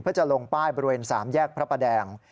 เพื่อจะลงป้ายบริเวณ๓แยกพระประแดง